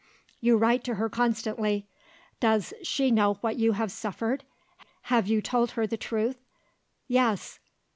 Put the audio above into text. You write to her constantly. Does she know what you have suffered? Have you told her the truth?" "Yes."